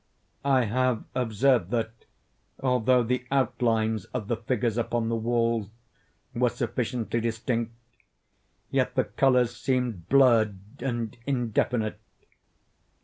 I have observed that, although the outlines of the figures upon the walls were sufficiently distinct, yet the colors seemed blurred and indefinite.